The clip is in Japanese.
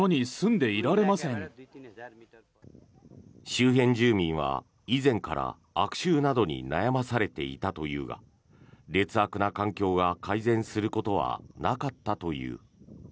周辺住民は以前から悪臭などに悩まされていたというが劣悪な環境が改善することはなかったという。